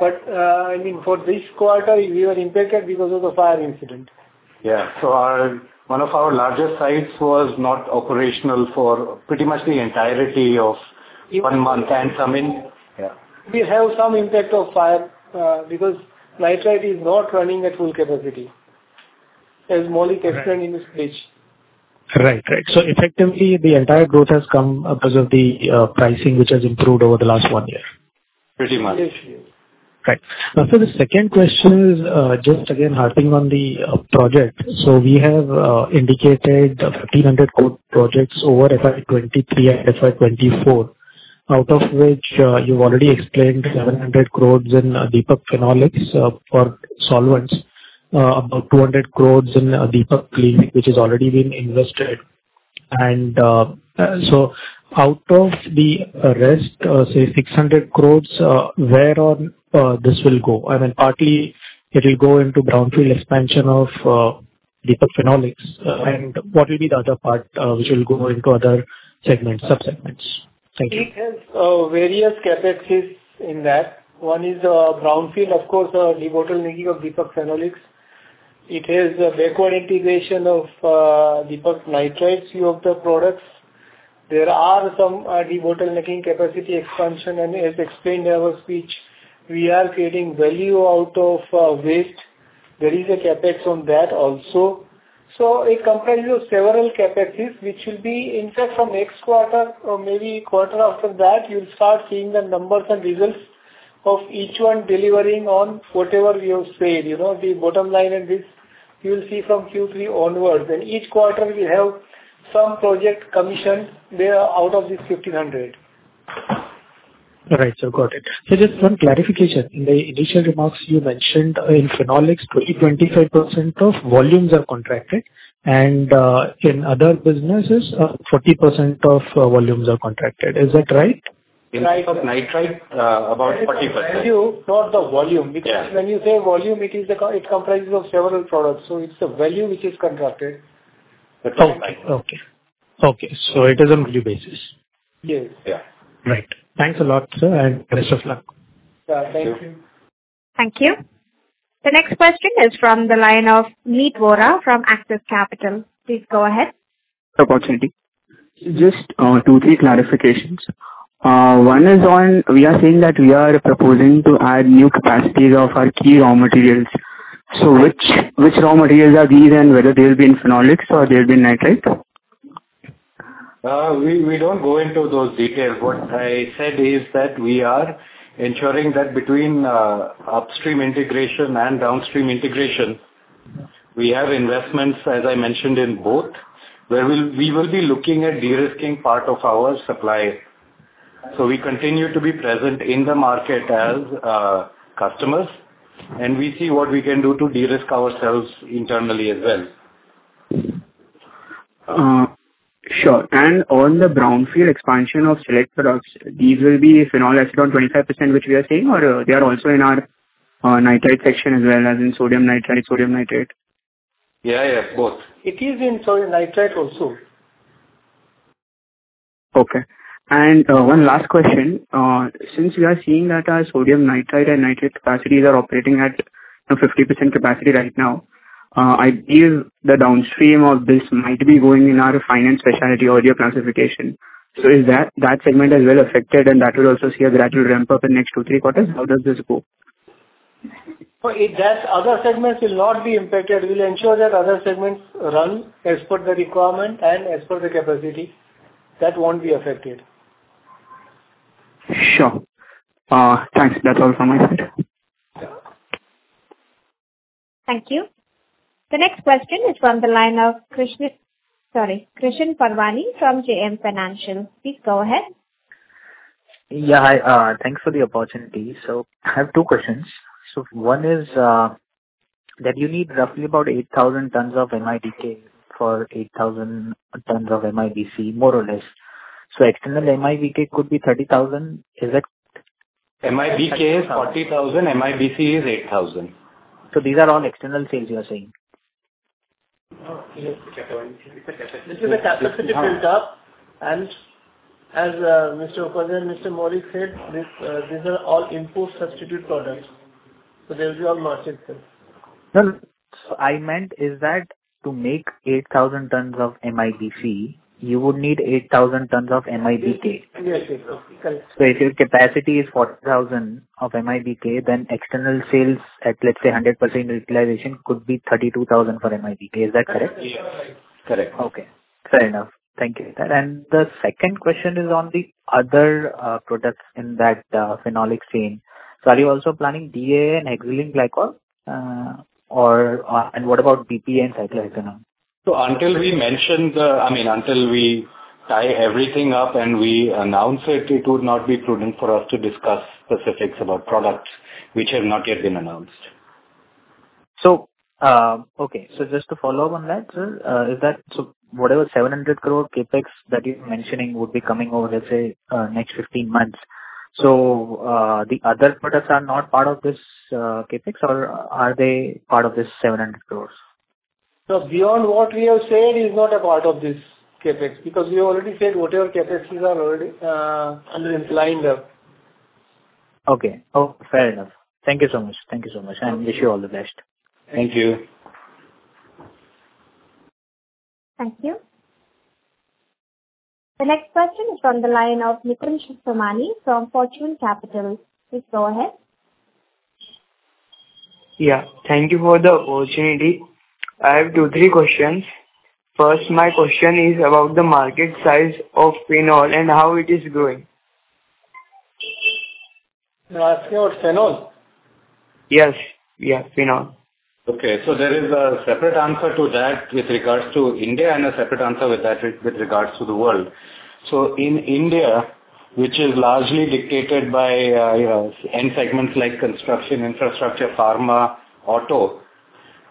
I mean, for this quarter we were impacted because of the fire incident. Yeah. One of our larger sites was not operational for pretty much the entirety of one month. I mean. Yeah. We have some impact of fire, because Nitrite is not running at full capacity, as Maulik explained in his speech. Right. Effectively, the entire growth has come because of the pricing which has improved over the last one year. Pretty much. Yes. Right. Now, sir, the second question is, just again harping on the project. We have indicated 1,500 crore projects over FY 2023 and FY 2024. Out of which, you've already explained 700 crore in Deepak Phenolics for solvents. About 200 crore in Deepak Nitrite, which has already been invested. Out of the rest, say 600 crore, where all this will go? I mean, partly it will go into brownfield expansion of Deepak Phenolics. What will be the other part, which will go into other segments, sub-segments? Thank you. It has various CapExes in that. One is brownfield, of course, debottlenecking of Deepak Phenolics. It has a backward integration of Deepak Nitrite, few of the products. There are some debottlenecking capacity expansion. As explained in our speech, we are creating value out of waste. There is a CapEx on that also. It comprises of several CapExes, which will be in fact from next quarter or maybe quarter after that, you'll start seeing the numbers and results of each one delivering on whatever we have said. You know, the bottom line and this you'll see from Q3 onwards. Each quarter we have some project commissioned there out of this 1,500. All right, sir. Got it. Just one clarification. In the initial remarks you mentioned, in Phenolics, 25% of volumes are contracted, and, in other businesses, 40% of volumes are contracted. Is that right? In case of nitrite, about 40%. Value, not the volume. Yeah. Because when you say volume, it comprises of several products. It's the value which is contracted. Okay. It is on value basis. Yes. Yeah. Right. Thanks a lot, sir, and best of luck. Yeah, thank you. Thank you. Thank you. The next question is from the line of Meet Vora from Axis Capital. Please go ahead. Opportunity. Just two, three clarifications. One is on, we are seeing that we are proposing to add new capacities of our key raw materials. Which raw materials are these and whether they'll be in Phenolics or they'll be in Nitrite? We don't go into those details. What I said is that we are ensuring that between upstream integration and downstream integration, we have investments, as I mentioned, in both. Where we will be looking at de-risking part of our supply. We continue to be present in the market as customers, and we see what we can do to de-risk ourselves internally as well. Sure. On the brownfield expansion of select products, these will be Phenolics around 25%, which we are seeing, or they are also in our Nitrite section as well as in Sodium Nitrate? Yeah, yeah, both. It is in Sodium Nitrite also. Okay. One last question. Since we are seeing that our Sodium Nitrite and Nitrate capacities are operating at, you know, 50% capacity right now, I feel the downstream of this might be going in our refined specialty area classification. Is that segment as well affected and that will also see a gradual ramp up in next two, three quarters? How does this go? If that other segments will not be impacted, we'll ensure that other segments run as per the requirement and as per the capacity. That won't be affected. Sure. Thanks. That's all from my side. Thank you. The next question is from the line of Krishan Parwani from JM Financial. Please go ahead. Yeah, hi. Thanks for the opportunity. I have two questions. One is, that you need roughly about 8,000 tons of MIBK for 8,000 tons of MIBC, more or less. External MIBK could be 30,000. Is it-. MIBK is 40,000. MIBC is 8,000. These are all external sales, you are saying? This is a capacity built up. As Mr. Kokil and Mr. Maulik said, this, these are all import substitute products, so they'll be all margin sales. No, I meant is that to make 8,000 tons of MIBC, you would need 8,000 tons of MIBK. Yes. Yes. Correct. If your capacity is 40,000 of MIBK, then external sales at, let's say, 100% utilization could be 32,000 for MIBK. Is that correct? Yeah. Right. Correct. Okay. Fair enough. Thank you. The second question is on the other products in that Phenolics segment. Are you also planning DAA and ethylene glycol, or and what about BPA, cyclohexanone? I mean, until we tie everything up and we announce it would not be prudent for us to discuss specifics about products which have not yet been announced. Just to follow up on that, sir, is that so whatever 700 crore CapEx that you're mentioning would be coming over, let's say, next 15 months. The other products are not part of this CapEx or are they part of this 700 crore? Beyond what we have said is not a part of this CapEx, because we already said whatever CapEx are already underway, implying them. Okay. Oh, fair enough. Thank you so much. Thank you so much, and wish you all the best. Thank you. Thank you. The next question is on the line of Nitin Somani from Fortune Capital. Please go ahead. Yeah. Thank you for the opportunity. I have two, three questions. First, my question is about the market size of Phenol and how it is growing. You're asking about Phenol? Yes. Yeah, Phenol. Okay. There is a separate answer to that with regards to India and a separate answer with regards to the world. In India, which is largely dictated by, you know, end segments like construction, infrastructure, pharma, auto,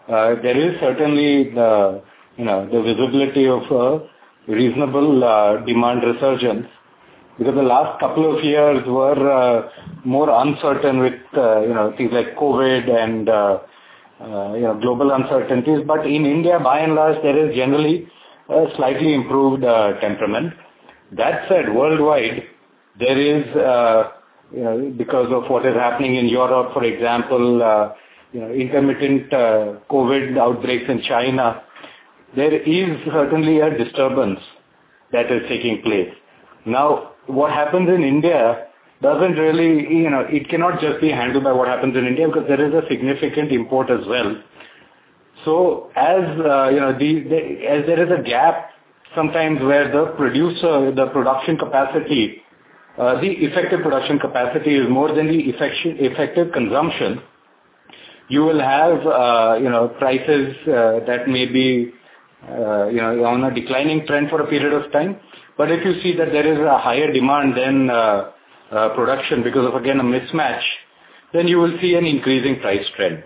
there is certainly the, you know, the visibility of a reasonable, demand resurgence because the last couple of years were, more uncertain with, you know, things like COVID and, you know, global uncertainties. In India, by and large, there is generally a slightly improved, temperament. That said, worldwide there is, you know, because of what is happening in Europe, for example, you know, intermittent, COVID outbreaks in China, there is certainly a disturbance that is taking place. Now, what happens in India doesn't really. You know, it cannot just be handled by what happens in India because there is a significant import as well. As there is a gap sometimes where the production capacity, the effective production capacity is more than the effective consumption, you will have, you know, prices that may be, you know, on a declining trend for a period of time. If you see that there is a higher demand than production because of, again, a mismatch, then you will see an increasing price trend.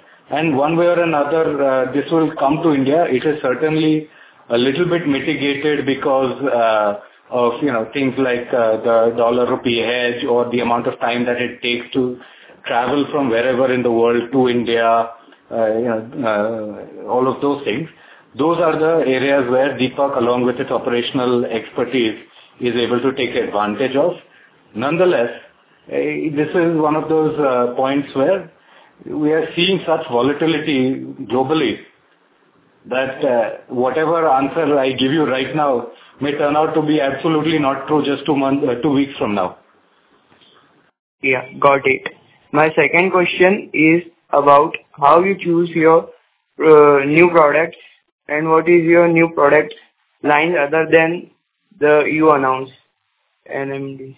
One way or another, this will come to India. It is certainly a little bit mitigated because of, you know, things like the dollar rupee hedge or the amount of time that it takes to travel from wherever in the world to India, you know, all of those things. Those are the areas where Deepak, along with its operational expertise, is able to take advantage of. Nonetheless, this is one of those points where we are seeing such volatility globally that whatever answer I give you right now may turn out to be absolutely not true just two weeks from now. Yeah, got it. My second question is about how you choose your new products and what is your new product line other than the one you announced NMD?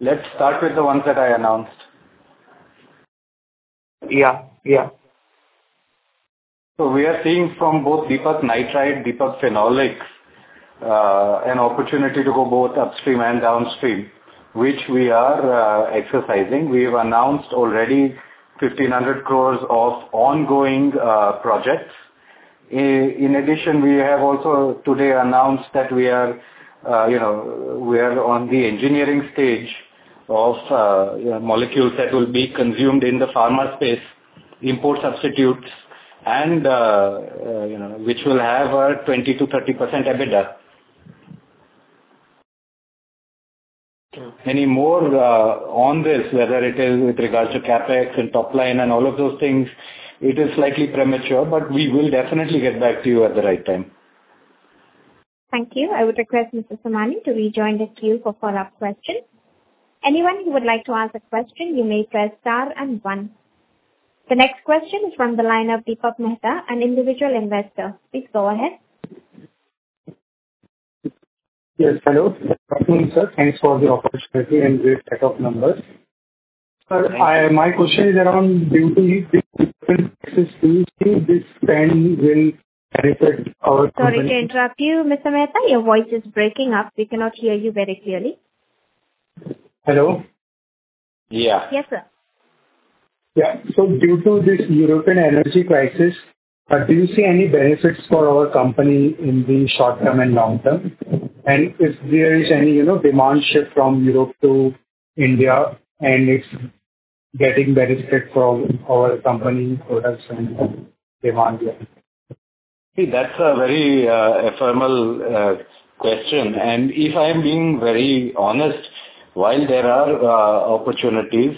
Let's start with the ones that I announced. Yeah, yeah. We are seeing from both Deepak Nitrite, Deepak Phenolics, an opportunity to go both upstream and downstream, which we are exercising. We have announced already 1,500 crore of ongoing projects. In addition, we have also today announced that we are, you know, we are on the engineering stage of, you know, molecules that will be consumed in the pharma space, import substitutes and, you know, which will have a 20%-30% EBITDA. Sure. Any more, on this, whether it is with regards to CapEx and top line and all of those things, it is slightly premature, but we will definitely get back to you at the right time. Thank you. I would request Mr. Somani to rejoin the queue for follow-up questions. Anyone who would like to ask a question, you may press star and one. The next question is from the line of Deepak Mehta, an individual investor. Please go ahead. Yes, hello. Good afternoon, sir. Thanks for the opportunity and great set of numbers. Thanks. Sir, my question is around due to the European crisis, do you see this trend will benefit our company? Sorry to interrupt you, Mr. Mehta. Your voice is breaking up. We cannot hear you very clearly. Hello? Yeah. Yes, sir. Yeah. Due to this European energy crisis, do you see any benefits for our company in the short term and long term? If there is any, you know, demand shift from Europe to India and it's getting benefit from our company products and demand here. See, that's a very ephemeral question. If I'm being very honest, while there are opportunities,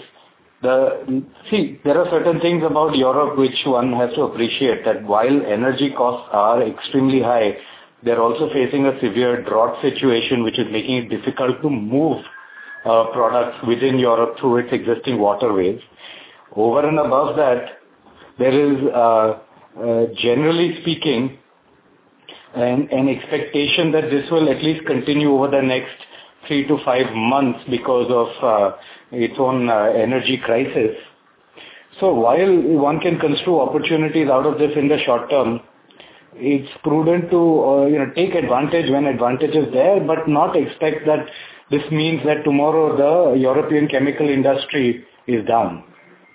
there are certain things about Europe which one has to appreciate, that while energy costs are extremely high, they're also facing a severe drought situation, which is making it difficult to move products within Europe through its existing waterways. Over and above that, there is, generally speaking, an expectation that this will at least continue over the next three to five months because of its own energy crisis. While one can construe opportunities out of this in the short term, it's prudent to, you know, take advantage when advantage is there, but not expect that this means that tomorrow the European chemical industry is down.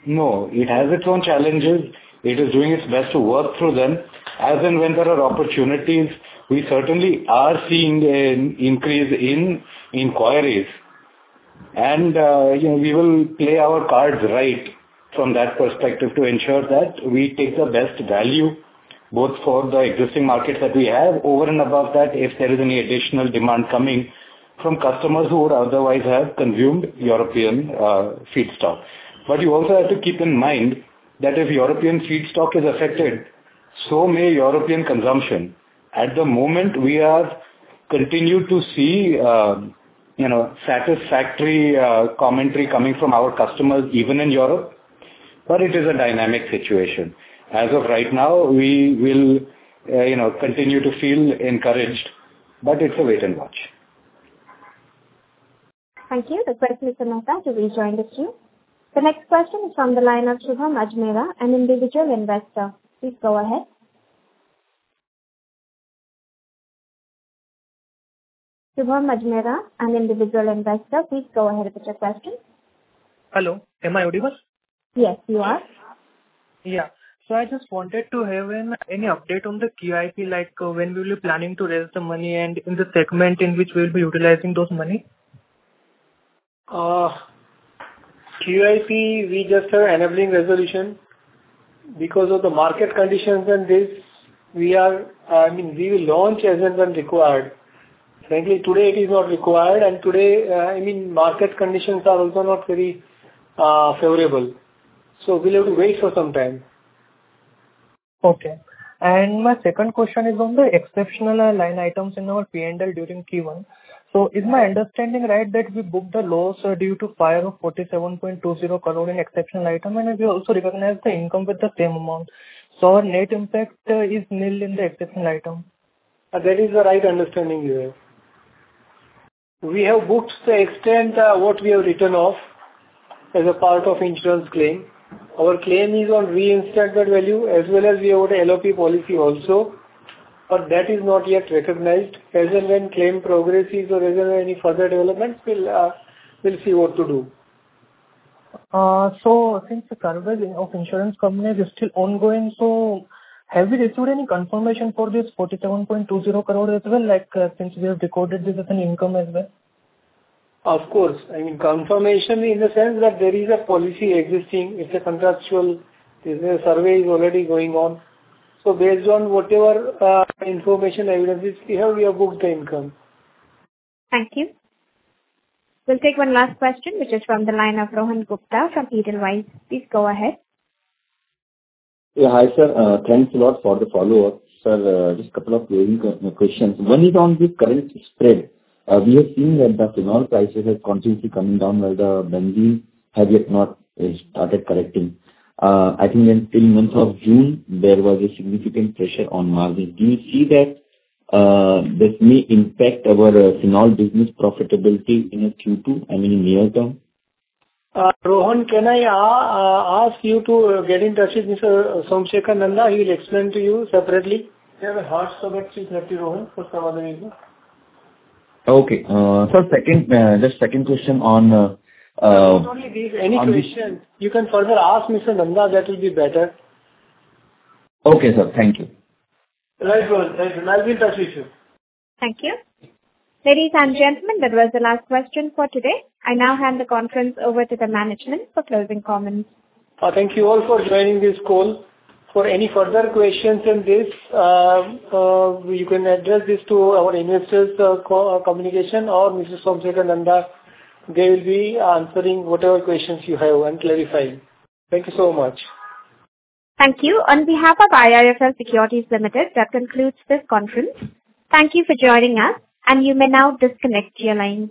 No, it has its own challenges. It is doing its best to work through them. As and when there are opportunities, we certainly are seeing an increase in inquiries. You know, we will play our cards right from that perspective to ensure that we take the best value, both for the existing markets that we have. Over and above that, if there is any additional demand coming from customers who would otherwise have consumed European feedstock. You also have to keep in mind that if European feedstock is affected, so may European consumption. At the moment, we are continue to see, you know, satisfactory commentary coming from our customers even in Europe, but it is a dynamic situation. As of right now, we will, you know, continue to feel encouraged, but it's a wait and watch. Thank you. The question is another to be joined with you. The next question is from the line of Shubham Ajmera, an individual investor. Please go ahead. Shubham Ajmera, an individual investor, please go ahead with your question. Hello. Am I audible? Yes, you are. Yeah. I just wanted to have an any update on the QIP, like when we'll be planning to raise the money and in the segment in which we'll be utilizing those money? QIP, we just are enabling resolution. Because of the market conditions and this, we are, I mean, we will launch as and when required. Frankly, today it is not required, and today, I mean, market conditions are also not very favorable. We'll have to wait for some time. Okay. My second question is on the exceptional line items in our P&L during Q1. Is my understanding right that we book the loss due to fire of 47.20 crore in exceptional item, and we also recognize the income with the same amount, our net impact is nil in the exceptional item? That is the right understanding, yeah. We have booked the extent, what we have written off as a part of insurance claim. Our claim is on reinstated value as well as the old LOP policy also, but that is not yet recognized. As and when claim progresses or as and when any further developments, we'll see what to do. Since the coverage of insurance company is still ongoing, have you received any confirmation for this 47.20 crore as well, like, since we have recorded this as an income as well? Of course. I mean, confirmation in the sense that there is a policy existing. It's a contractual. The survey is already going on. Based on whatever information evidences we have, we have booked the income. Thank you. We'll take one last question, which is from the line of Rohan Gupta from Edelweiss. Please go ahead. Yeah, hi, sir. Thanks a lot for the follow-up. Sir, just couple of very quick questions. One is on the current spread. We have seen that the Phenol prices have continuously coming down while the Benzene have yet not started correcting. I think until month of June, there was a significant pressure on margins. Do you see that this may impact our Phenol business profitability in the Q2, I mean, in near term? Rohan, can I ask you to get in touch with Mr. Somsekhar Nanda? He'll explain to you separately. We have a hard stop 3:30 P.M., Rohan, for some other reason. Okay. Second question on, Any questions you can further ask Mr. Nanda, that will be better. Okay, sir. Thank you. Right, Rohan. Thank you. I'll be in touch with you. Thank you. Ladies and gentlemen, that was the last question for today. I now hand the conference over to the management for closing comments. Thank you all for joining this call. For any further questions in this, you can address this to our investor communication or Mr. Somsekhar Nanda. They will be answering whatever questions you have and clarifying. Thank you so much. Thank you. On behalf of IIFL Securities Limited, that concludes this conference. Thank you for joining us, and you may now disconnect your lines.